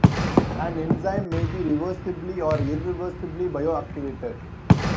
An enzyme may be reversibly or irreversibly bioactivated.